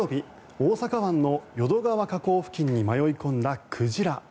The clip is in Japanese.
大阪湾の淀川河口付近に迷い込んだ鯨。